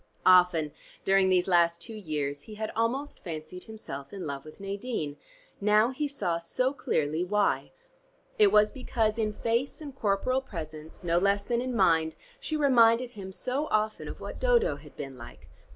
Often during these last two years, he had almost fancied himself in love with Nadine; now he saw so clearly why. It was because in face and corporal presence no less than in mind she reminded him so often of what Dodo had been like.